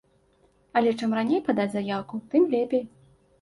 Але чым раней падаць заяўку, тым лепей.